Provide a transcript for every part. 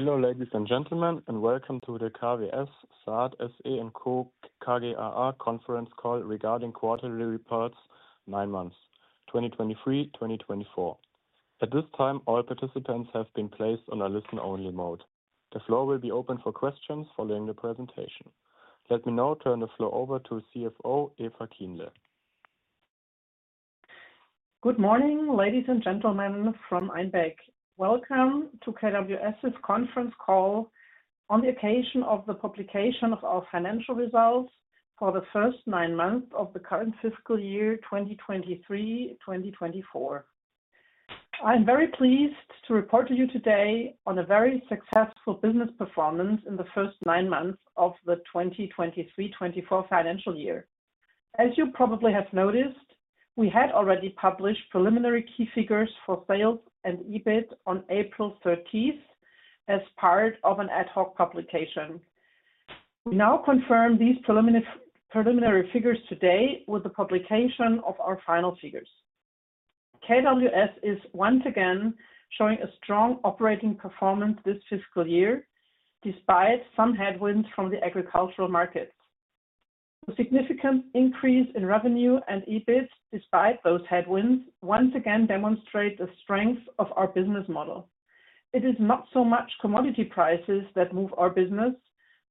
Hello ladies and gentlemen, and welcome to the KWS SAAT SE & Co. KGaA conference call regarding quarterly reports, nine months, 2023-2024. At this time, all participants have been placed on a listen-only mode. The floor will be open for questions following the presentation. Let me now turn the floor over to CFO Eva Kienle. Good morning, ladies and gentlemen from Einbeck. Welcome to KWS's conference call on the occasion of the publication of our financial results for the first nine months of the current fiscal year, 2023-2024. I'm very pleased to report to you today on a very successful business performance in the first nine months of the 2023-2024 financial year. As you probably have noticed, we had already published preliminary key figures for sales and EBIT on April 13th as part of an ad hoc publication. We now confirm these preliminary figures today with the publication of our final figures. KWS is once again showing a strong operating performance this fiscal year, despite some headwinds from the agricultural markets. The significant increase in revenue and EBIT, despite those headwinds, once again demonstrates the strength of our business model. It is not so much commodity prices that move our business,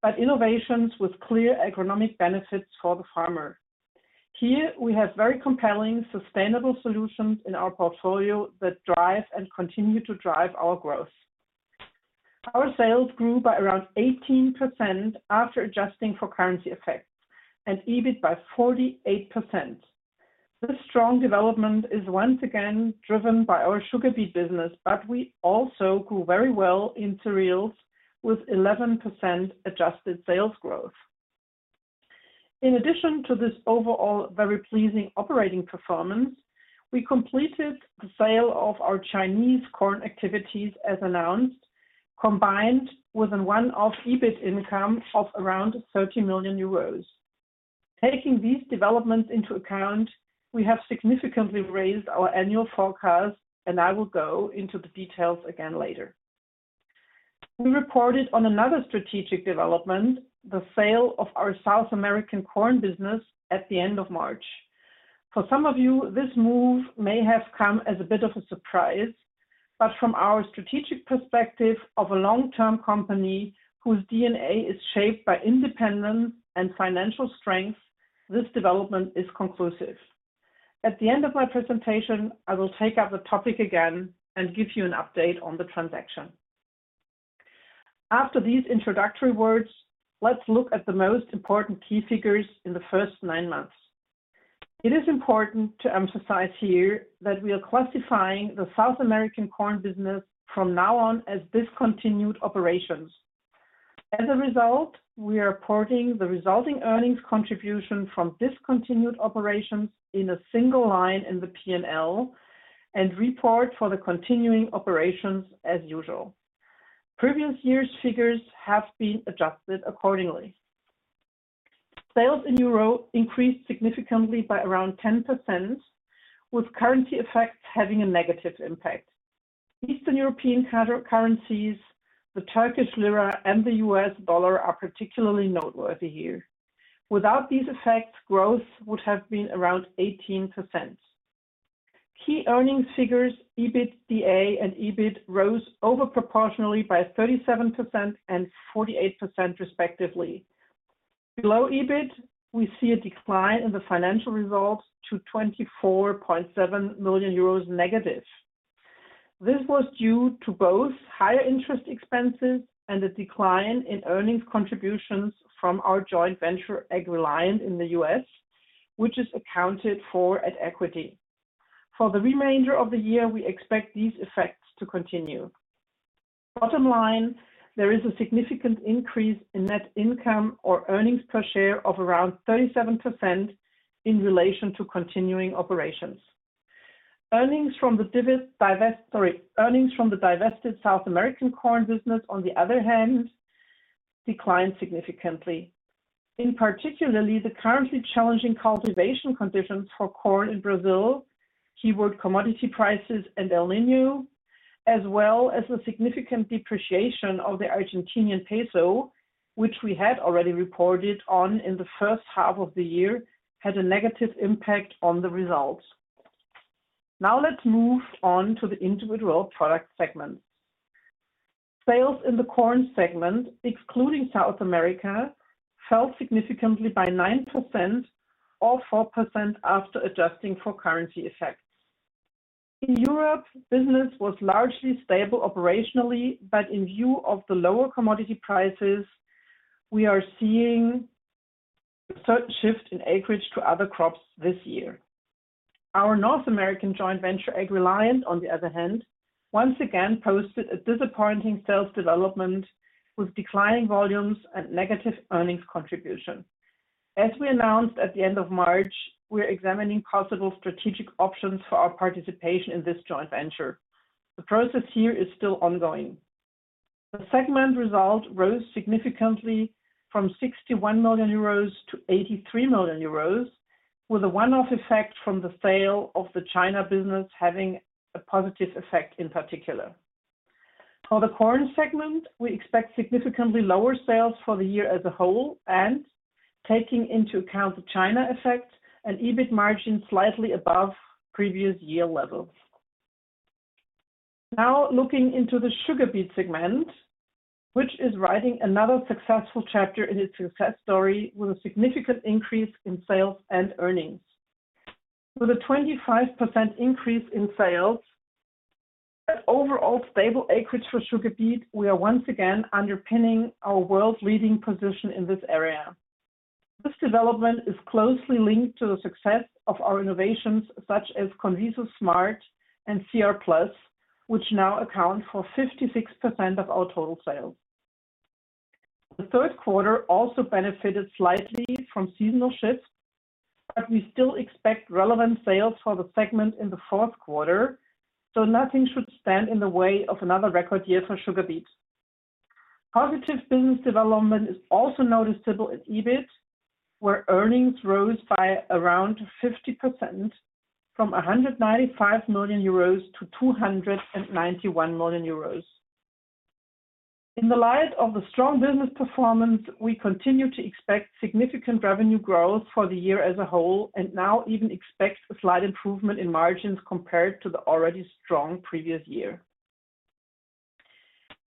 but innovations with clear agronomic benefits for the farmer. Here, we have very compelling, sustainable solutions in our portfolio that drive and continue to drive our growth. Our sales grew by around 18% after adjusting for currency effects, and EBIT by 48%. This strong development is once again driven by our sugar beet business, but we also grew very well in cereals with 11% adjusted sales growth. In addition to this overall very pleasing operating performance, we completed the sale of our Chinese corn activities as announced, combined with one-off EBIT income of around 30 million euros. Taking these developments into account, we have significantly raised our annual forecast, and I will go into the details again later. We reported on another strategic development, the sale of our South American corn business at the end of March. For some of you, this move may have come as a bit of a surprise, but from our strategic perspective of a long-term company whose DNA is shaped by independence and financial strength, this development is conclusive. At the end of my presentation, I will take up the topic again and give you an update on the transaction. After these introductory words, let's look at the most important key figures in the first nine months. It is important to emphasize here that we are classifying the South American corn business from now on as discontinued operations. As a result, we are reporting the resulting earnings contribution from discontinued operations in a single line in the P&L and report for the continuing operations as usual. Previous year's figures have been adjusted accordingly. Sales in euro increased significantly by around 10%, with currency effects having a negative impact. Eastern European currencies, the Turkish lira and the U.S. dollar, are particularly noteworthy here. Without these effects, growth would have been around 18%. Key earnings figures, EBITDA and EBIT, rose overproportionately by 37% and 48%, respectively. Below EBIT, we see a decline in the financial results to -24.7 million euros. This was due to both higher interest expenses and a decline in earnings contributions from our joint venture AgReliant in the U.S., which is accounted for at equity. For the remainder of the year, we expect these effects to continue. Bottom line, there is a significant increase in net income or earnings per share of around 37% in relation to continuing operations. Earnings from the divested South American corn business, on the other hand, declined significantly, in particular the currently challenging cultivation conditions for corn in Brazil, keyword commodity prices and El Niño, as well as the significant depreciation of the Argentine peso, which we had already reported on in the first half of the year, had a negative impact on the results. Now let's move on to the individual product segments. Sales in the corn segment, excluding South America, fell significantly by 9% or 4% after adjusting for currency effects. In Europe, business was largely stable operationally, but in view of the lower commodity prices, we are seeing a shift in acreage to other crops this year. Our North American joint venture AgReliant, on the other hand, once again posted a disappointing sales development with declining volumes and negative earnings contribution. As we announced at the end of March, we are examining possible strategic options for our participation in this joint venture. The process here is still ongoing. The segment result rose significantly from 61 million euros to 83 million euros, with a one-off effect from the sale of the China business having a positive effect in particular. For the corn segment, we expect significantly lower sales for the year as a whole, and taking into account the China effect, an EBIT margin slightly above previous year levels. Now looking into the sugar beet segment, which is writing another successful chapter in its success story with a significant increase in sales and earnings. With a 25% increase in sales and overall stable acreage for sugar beet, we are once again underpinning our world-leading position in this area. This development is closely linked to the success of our innovations such as CONVISO SMART and CR+, which now account for 56% of our total sales. The third quarter also benefited slightly from seasonal shifts, but we still expect relevant sales for the segment in the fourth quarter, so nothing should stand in the way of another record year for sugar beet. Positive business development is also noticeable at EBIT, where earnings rose by around 50% from 195 million euros to 291 million euros. In the light of the strong business performance, we continue to expect significant revenue growth for the year as a whole and now even expect a slight improvement in margins compared to the already strong previous year.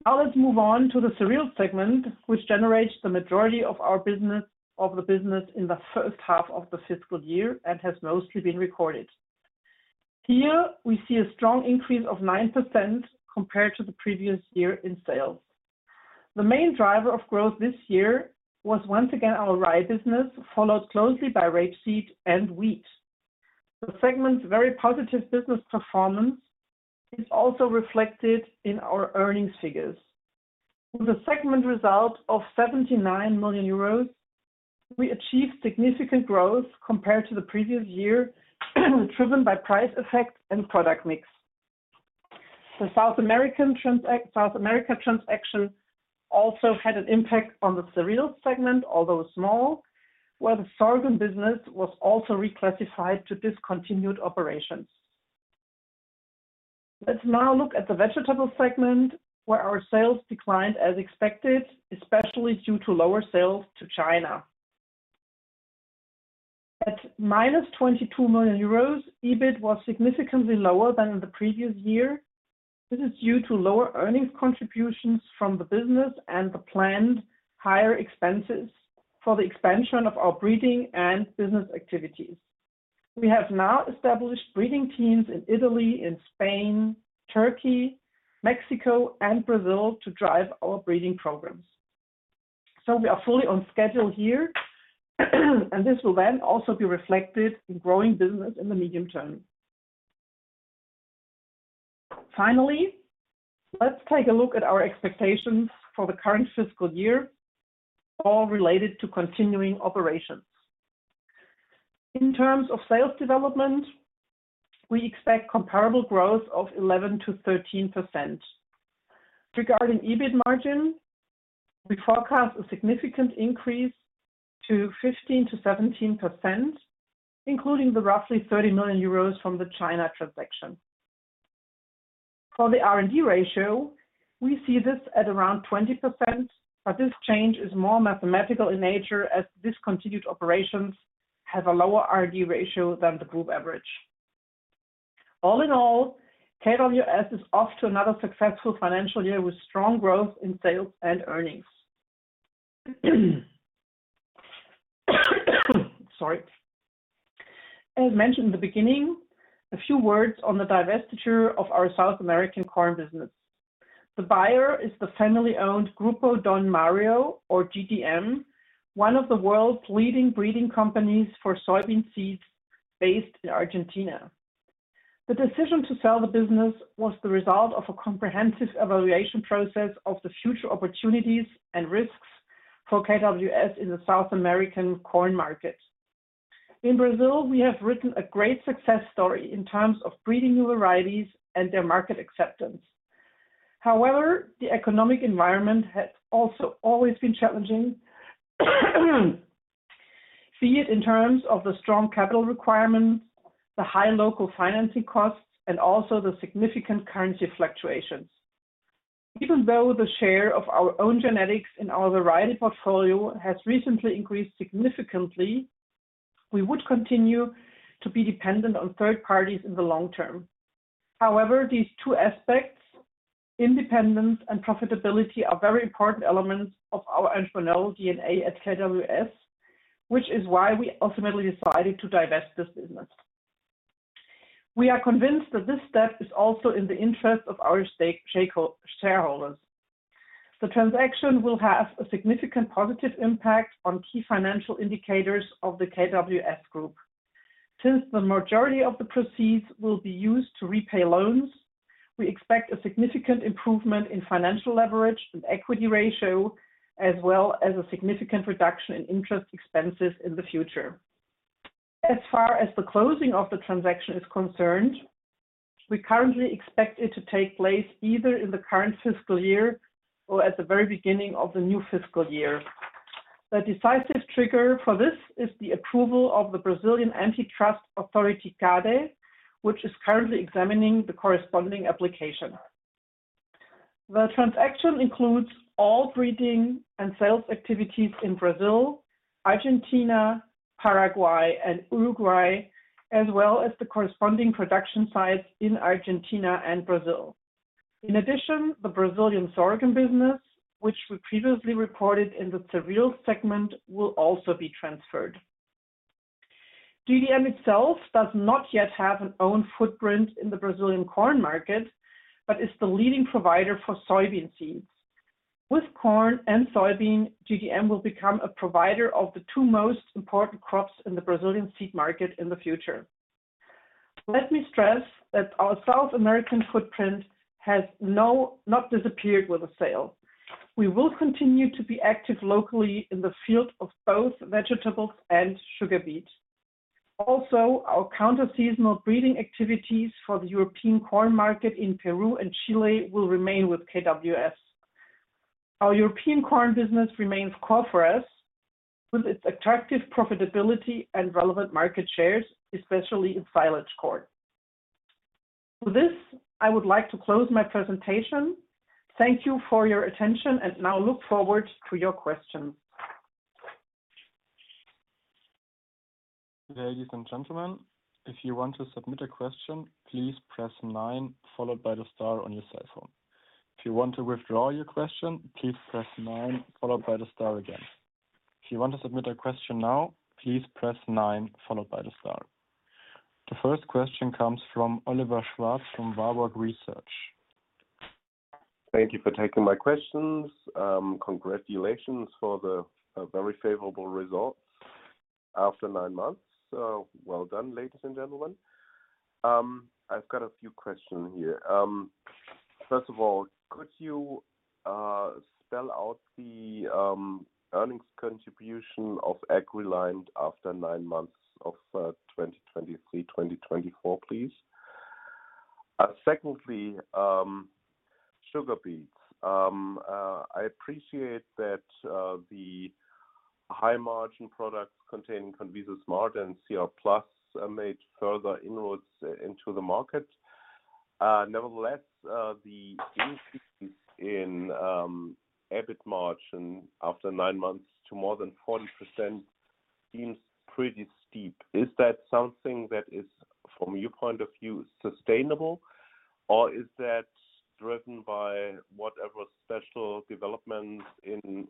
Now let's move on to the cereal segment, which generates the majority of the business in the first half of the fiscal year and has mostly been recorded. Here, we see a strong increase of 9% compared to the previous year in sales. The main driver of growth this year was once again our rye business, followed closely by rapeseed and wheat. The segment's very positive business performance is also reflected in our earnings figures. With a segment result of 79 million euros, we achieved significant growth compared to the previous year, driven by price effect and product mix. The South American transaction also had an impact on the cereal segment, although small, where the sorghum business was also reclassified to discontinued operations. Let's now look at the vegetable segment, where our sales declined as expected, especially due to lower sales to China. At -22 million euros, EBIT was significantly lower than in the previous year. This is due to lower earnings contributions from the business and the planned higher expenses for the expansion of our breeding and business activities. We have now established breeding teams in Italy, in Spain, Turkey, Mexico, and Brazil to drive our breeding programs. So we are fully on schedule here, and this will then also be reflected in growing business in the medium term. Finally, let's take a look at our expectations for the current fiscal year, all related to continuing operations. In terms of sales development, we expect comparable growth of 11%-13%. Regarding EBIT margin, we forecast a significant increase to 15%-17%, including the roughly 30 million euros from the China transaction. For the R&D ratio, we see this at around 20%, but this change is more mathematical in nature as discontinued operations have a lower R&D ratio than the group average. All in all, KWS is off to another successful financial year with strong growth in sales and earnings. Sorry. As mentioned in the beginning, a few words on the divestiture of our South American corn business. The buyer is the family-owned Grupo Don Mario, or GDM, one of the world's leading breeding companies for soybean seeds based in Argentina. The decision to sell the business was the result of a comprehensive evaluation process of the future opportunities and risks for KWS in the South American corn market. In Brazil, we have written a great success story in terms of breeding new varieties and their market acceptance. However, the economic environment had also always been challenging, be it in terms of the strong capital requirements, the high local financing costs, and also the significant currency fluctuations. Even though the share of our own genetics in our variety portfolio has recently increased significantly, we would continue to be dependent on third parties in the long term. However, these two aspects, independence and profitability, are very important elements of our entrepreneurial DNA at KWS, which is why we ultimately decided to divest this business. We are convinced that this step is also in the interest of our stakeholders. The transaction will have a significant positive impact on key financial indicators of the KWS Group. Since the majority of the proceeds will be used to repay loans, we expect a significant improvement in financial leverage and equity ratio, as well as a significant reduction in interest expenses in the future. As far as the closing of the transaction is concerned, we currently expect it to take place either in the current fiscal year or at the very beginning of the new fiscal year. The decisive trigger for this is the approval of the Brazilian antitrust authority CADE, which is currently examining the corresponding application. The transaction includes all breeding and sales activities in Brazil, Argentina, Paraguay, and Uruguay, as well as the corresponding production sites in Argentina and Brazil. In addition, the Brazilian sorghum business, which we previously reported in the cereal segment, will also be transferred. GDM itself does not yet have an own footprint in the Brazilian corn market, but is the leading provider for soybean seeds. With corn and soybean, GDM will become a provider of the two most important crops in the Brazilian seed market in the future. Let me stress that our South American footprint has not disappeared with a sale. We will continue to be active locally in the field of both vegetables and sugar beet. Also, our counter-seasonal breeding activities for the European corn market in Peru and Chile will remain with KWS. Our European corn business remains core for us with its attractive profitability and relevant market shares, especially in silage corn. With this, I would like to close my presentation. Thank you for your attention, and now look forward to your questions. Ladies and gentlemen, if you want to submit a question, please press 9 followed by the star on your cell phone. If you want to withdraw your question, please press 9 followed by the star again. If you want to submit a question now, please press 9 followed by the star. The first question comes from Oliver Schwarz from Warburg Research. Thank you for taking my questions. Congratulations for the very favorable results after nine months. Well done, ladies and gentlemen. I've got a few questions here. First of all, could you spell out the earnings contribution of AgReliant after nine months of 2023, 2024, please? Secondly, sugar beets, I appreciate that the high-margin products containing CONVISO SMART and CR+ made further inroads into the market. Nevertheless, the increase in EBIT margin after nine months to more than 40% seems pretty steep. Is that something that is, from your point of view, sustainable, or is that driven by whatever special developments in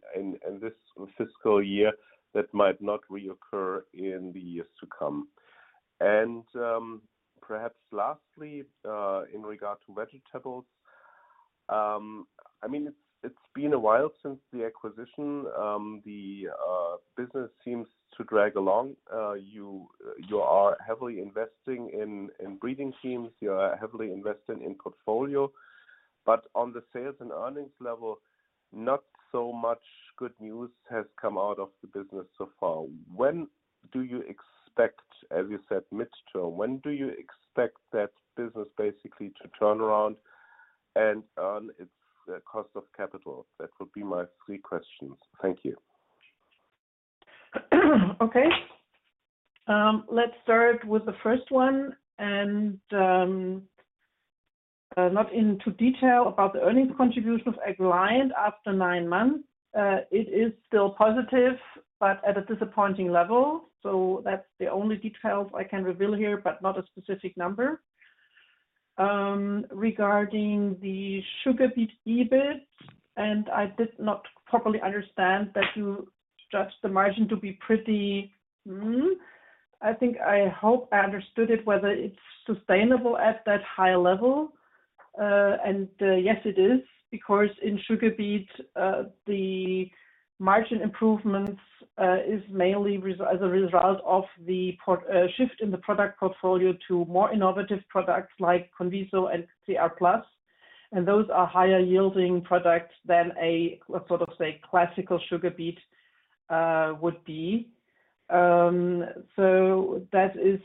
this fiscal year that might not reoccur in the years to come? And perhaps lastly, in regard to vegetables, I mean, it's been a while since the acquisition. The business seems to drag along. You are heavily investing in breeding teams. You are heavily invested in portfolio. But on the sales and earnings level, not so much good news has come out of the business so far. When do you expect, as you said, mid-term, when do you expect that business basically to turn around and earn its cost of capital? That would be my three questions. Thank you. Okay. Let's start with the first one and not go into detail about the earnings contribution of AgReliant after nine months. It is still positive, but at a disappointing level. So that's the only details I can reveal here, but not a specific number. Regarding the sugar beet EBIT, and I did not properly understand that you judged the margin to be pretty high, I think. I hope I understood it, whether it's sustainable at that high level. Yes, it is, because in sugar beet, the margin improvements are mainly as a result of the shift in the product portfolio to more innovative products like CONVISO and CR+. And those are higher-yielding products than a sort of, say, classical sugar beet would be. So that is,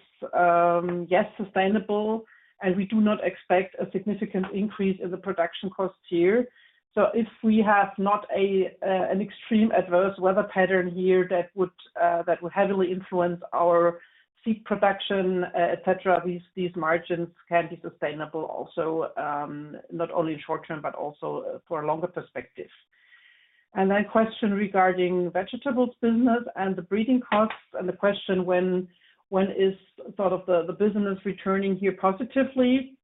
yes, sustainable, and we do not expect a significant increase in the production costs here. So if we have not an extreme adverse weather pattern here that would heavily influence our seed production, etc., these margins can be sustainable also, not only in short term, but also for a longer perspective. And then question regarding vegetables business and the breeding costs and the question when is sort of the business returning here positively.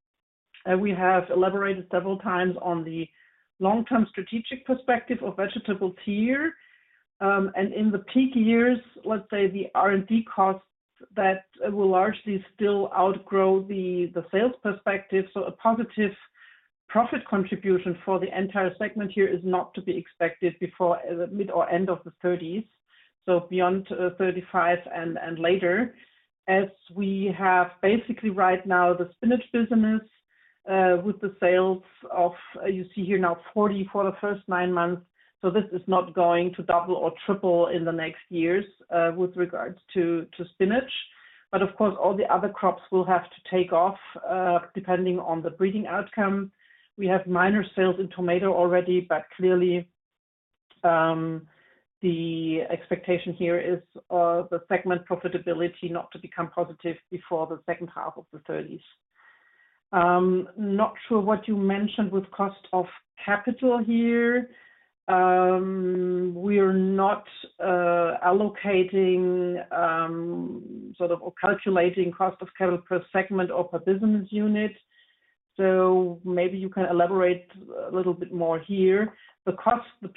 We have elaborated several times on the long-term strategic perspective of vegetables here. And in the peak years, let's say the R&D costs that will largely still outgrow the sales perspective. So a positive profit contribution for the entire segment here is not to be expected before mid or end of the '30s, so beyond '35 and later, as we have basically right now the spinach business with the sales of, you see, here now 40 million for the first nine months. So this is not going to double or triple in the next years with regards to spinach. But of course, all the other crops will have to take off depending on the breeding outcome. We have minor sales in tomato already, but clearly, the expectation here is the segment profitability not to become positive before the second half of the 2030s. Not sure what you mentioned with cost of capital here. We are not allocating sort of or calculating cost of capital per segment or per business unit. So maybe you can elaborate a little bit more here. The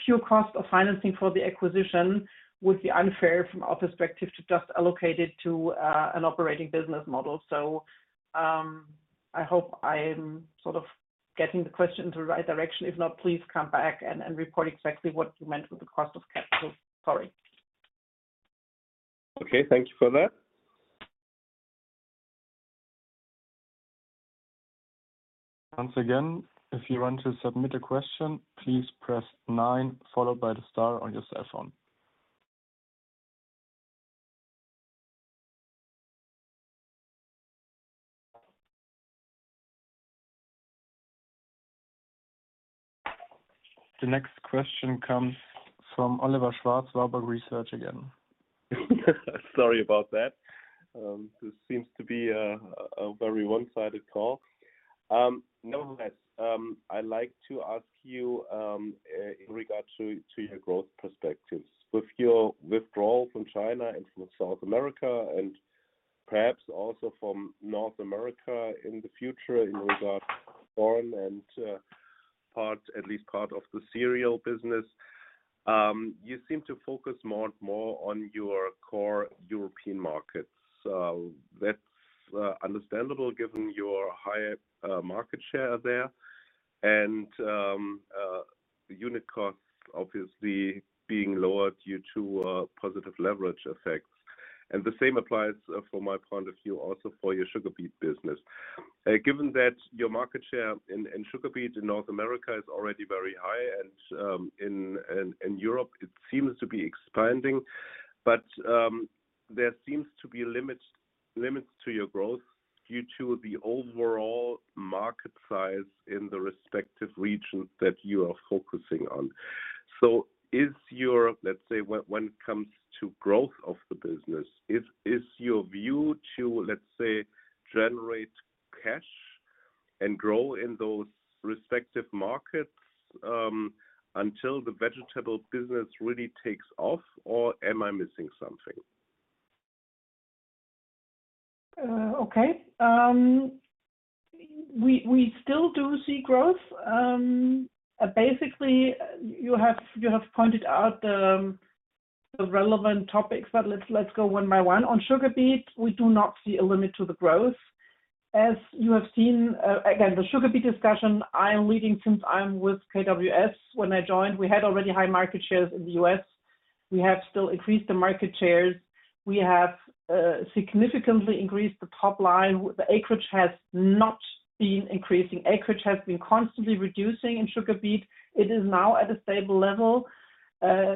pure cost of financing for the acquisition would be unfair from our perspective to just allocate it to an operating business model. So I hope I'm sort of getting the question in the right direction. If not, please come back and report exactly what you meant with the cost of capital. Sorry. Okay. Thank you for that. Once again, if you want to submit a question, please press 9 followed by the star on your cell phone. The next question comes from Oliver Schwarz, Warburg Research again. Sorry about that. This seems to be a very one-sided call. Nevertheless, I'd like to ask you in regard to your growth perspectives. With your withdrawal from China and from South America and perhaps also from North America in the future in regard to corn and at least part of the cereal business, you seem to focus more and more on your core European markets. That's understandable given your higher market share there and unit costs obviously being lowered due to positive leverage effects. The same applies from my point of view also for your sugar beet business. Given that your market share in sugar beet in North America is already very high and in Europe, it seems to be expanding, but there seems to be limits to your growth due to the overall market size in the respective regions that you are focusing on. Let's say when it comes to growth of the business, is your view to, let's say, generate cash and grow in those respective markets until the vegetable business really takes off, or am I missing something? Okay. We still do see growth. Basically, you have pointed out the relevant topics, but let's go one by one. On sugar beet, we do not see a limit to the growth. As you have seen, again, the sugar beet discussion, I am leading since I'm with KWS. When I joined, we had already high market shares in the U.S. We have still increased the market shares. We have significantly increased the top line. The acreage has not been increasing. Acreage has been constantly reducing in sugar beet. It is now at a stable level.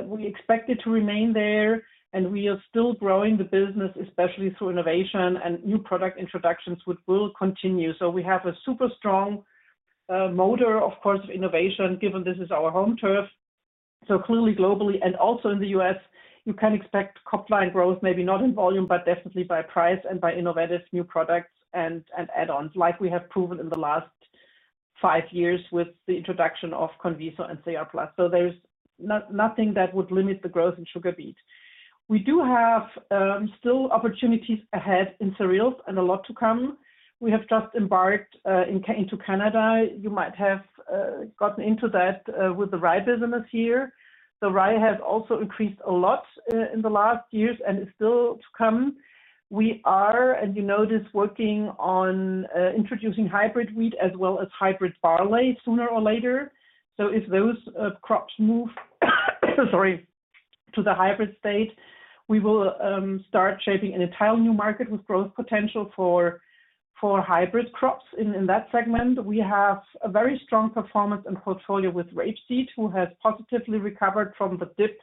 We expect it to remain there, and we are still growing the business, especially through innovation, and new product introductions will continue. So we have a super strong motor, of course, of innovation given this is our home turf. So clearly, globally and also in the U.S., you can expect top line growth, maybe not in volume, but definitely by price and by innovative new products and add-ons like we have proven in the last 5 years with the introduction of CONVISO and CR+. So there's nothing that would limit the growth in sugar beet. We do have still opportunities ahead in cereals and a lot to come. We have just embarked into Canada. You might have gotten into that with the rye business here. The rye has also increased a lot in the last years and is still to come. We are, as you notice, working on introducing hybrid wheat as well as hybrid barley sooner or later. So if those crops move, sorry, to the hybrid state, we will start shaping an entire new market with growth potential for hybrid crops in that segment. We have a very strong performance and portfolio with rapeseed, who has positively recovered from the dip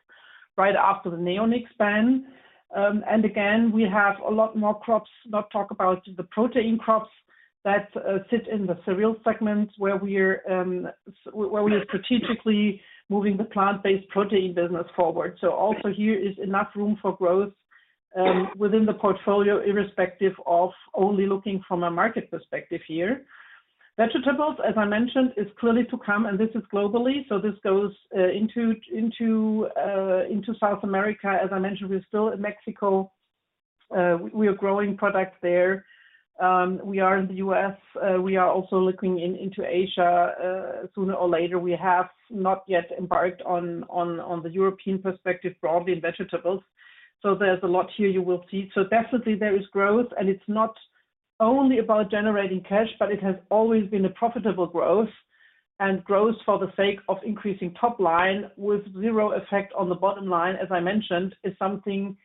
right after the neonic ban. Again, we have a lot more crops—not talk about the protein crops—that sit in the cereal segments where we are strategically moving the plant-based protein business forward. So also here is enough room for growth within the portfolio irrespective of only looking from a market perspective here. Vegetables, as I mentioned, is clearly to come, and this is globally. So this goes into South America. As I mentioned, we're still in Mexico. We are growing products there. We are in the US. We are also looking into Asia sooner or later. We have not yet embarked on the European perspective broadly in vegetables. So there's a lot here you will see. So definitely, there is growth, and it's not only about generating cash, but it has always been a profitable growth. Growth for the sake of increasing top line with zero effect on the bottom line, as I mentioned, is something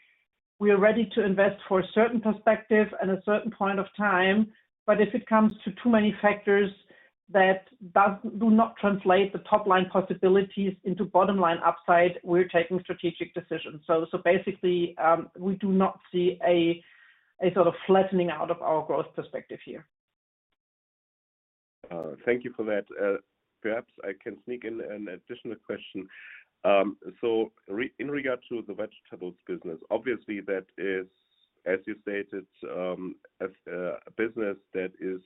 we are ready to invest for a certain perspective and a certain point of time. But if it comes to too many factors that do not translate the top line possibilities into bottom line upside, we're taking strategic decisions. So basically, we do not see a sort of flattening out of our growth perspective here. Thank you for that. Perhaps I can sneak in an additional question. So in regard to the vegetables business, obviously, that is, as you stated, a business that is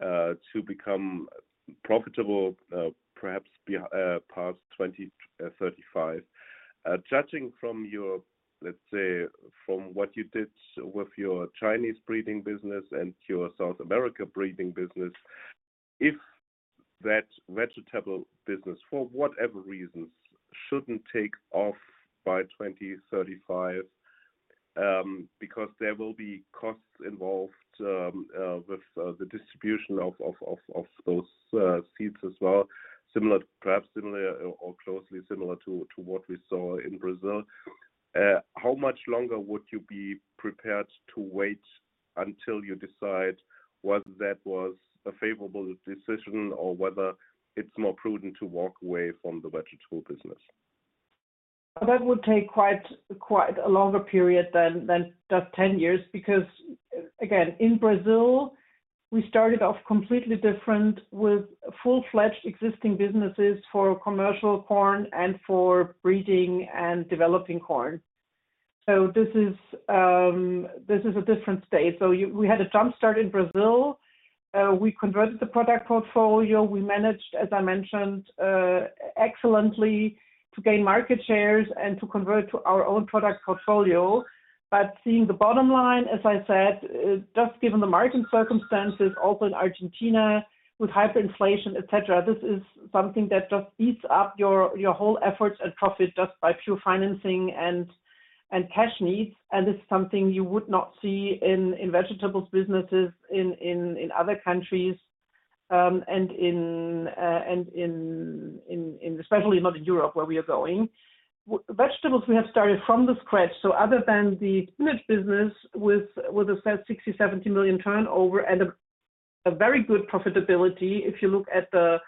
to become profitable perhaps past 2035. Judging from your, let's say, from what you did with your Chinese breeding business and your South America breeding business, if that vegetable business, for whatever reasons, shouldn't take off by 2035 because there will be costs involved with the distribution of those seeds as well, perhaps similar or closely similar to what we saw in Brazil, how much longer would you be prepared to wait until you decide whether that was a favorable decision or whether it's more prudent to walk away from the vegetable business? That would take quite a longer period than just 10 years because, again, in Brazil, we started off completely different with full-fledged existing businesses for commercial corn and for breeding and developing corn. So this is a different state. So we had a jumpstart in Brazil. We converted the product portfolio. We managed, as I mentioned, excellently to gain market shares and to convert to our own product portfolio. But seeing the bottom line, as I said, just given the margin circumstances, also in Argentina with hyperinflation, etc., this is something that just eats up your whole efforts and profit just by pure financing and cash needs. And this is something you would not see in vegetables businesses in other countries and especially not in Europe where we are going. Vegetables, we have started from scratch. So other than the spinach business with a 60-70 million turnover and a very good profitability, if you look at the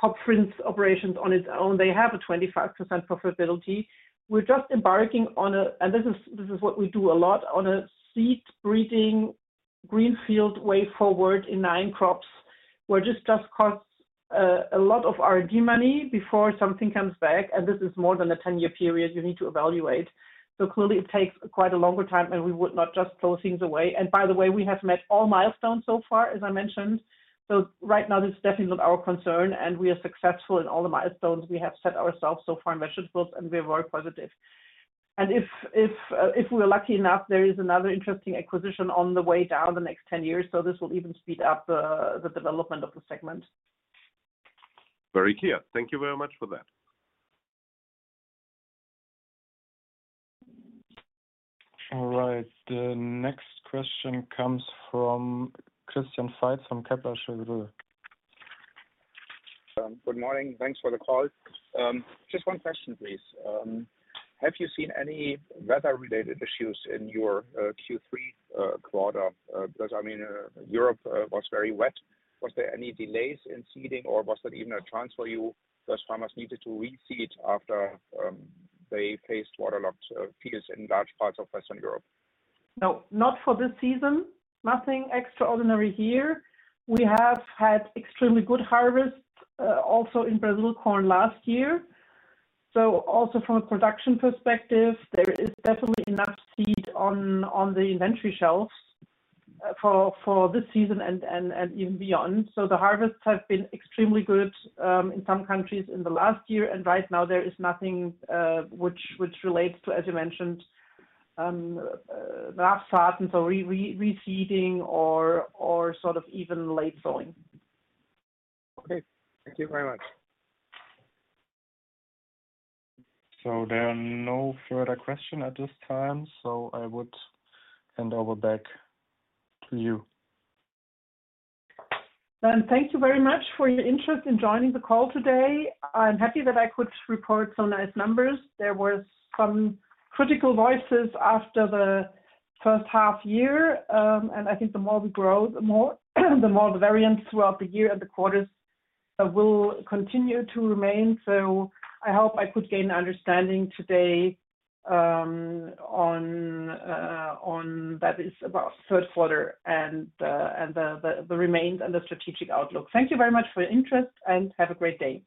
Pop Vriend's operations on its own, they have a 25% profitability. We're just embarking on a—and this is what we do a lot—on a seed breeding greenfield way forward in 9 crops where this just costs a lot of R&D money before something comes back. And this is more than a 10-year period you need to evaluate. So clearly, it takes quite a longer time, and we would not just throw things away. And by the way, we have met all milestones so far, as I mentioned. So right now, this is definitely not our concern, and we are successful in all the milestones we have set ourselves so far in vegetables, and we are very positive. If we are lucky enough, there is another interesting acquisition on the way down the next 10 years. This will even speed up the development of the segment. Very clear. Thank you very much for that. All right. The next question comes from Christian Faitz from Kepler Cheuvreux. Good morning. Thanks for the call. Just one question, please. Have you seen any weather-related issues in your Q3 quarter? Because, I mean, Europe was very wet. Was there any delays in seeding, or was that even a chance for you because farmers needed to reseed after they faced waterlogged fields in large parts of Western Europe? No, not for this season. Nothing extraordinary here. We have had extremely good harvests also in Brazil corn last year. So also from a production perspective, there is definitely enough seed on the inventory shelves for this season and even beyond. So the harvests have been extremely good in some countries in the last year. And right now, there is nothing which relates to, as you mentioned, the El Niño and so reseeding or sort of even late sowing. Okay. Thank you very much. So there are no further questions at this time, so I would hand over back to you. Thank you very much for your interest in joining the call today. I'm happy that I could report so nice numbers. There were some critical voices after the first half year, and I think the more we grow, the more the variance throughout the year and the quarters will continue to remain. So I hope I could gain an understanding today on that is about third quarter and the remainder and the strategic outlook. Thank you very much for your interest, and have a great day.